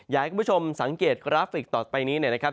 อยากให้คุณผู้ชมสังเกตกราฟิกต่อไปนี้เนี่ยนะครับ